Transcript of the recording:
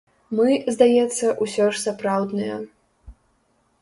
Мы, здаецца, усё ж сапраўдныя.